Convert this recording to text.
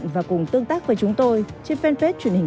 và không có cái cái phản ứng